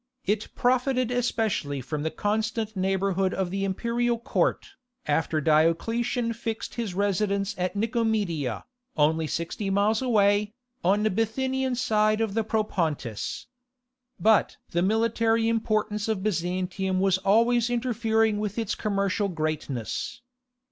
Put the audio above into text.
It profited especially from the constant neighbourhood of the imperial court, after Diocletian fixed his residence at Nicomedia, only sixty miles away, on the Bithynian side of the Propontis. But the military importance of Byzantium was always interfering with its commercial greatness.